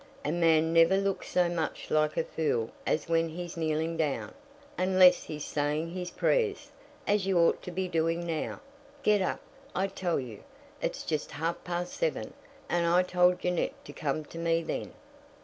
A man never looks so much like a fool as when he's kneeling down, unless he's saying his prayers, as you ought to be doing now. Get up, I tell you. It's just half past seven, and I told Jeannette to come to me then."